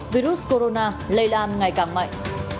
virus corona lây lan ngày càng mạnh